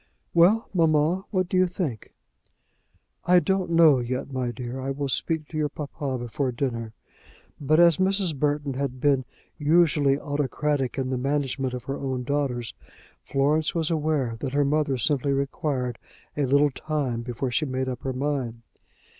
"Well, mamma; what do you think?" "I don't know yet, my dear. I will speak to your papa before dinner." But as Mrs. Burton had been usually autocratic in the management of her own daughters, Florence was aware that her mother simply required a little time before she made up her mind.